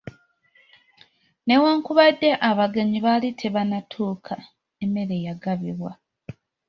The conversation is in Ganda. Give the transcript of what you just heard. Newankubadde abagenyi baali tebanatuuka emmere yagabibwa.